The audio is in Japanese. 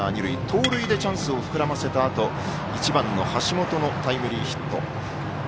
盗塁でチャンスを膨らませたあと１番の橋本のタイムリーヒット。